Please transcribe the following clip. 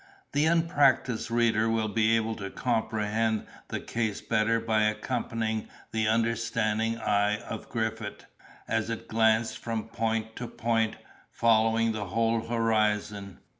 The unpractised reader will be able to comprehend the case better by accompanying the understanding eye of Griffith, as it glanced from point to point, following the whole horizon.